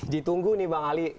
ditunggu nih bang ali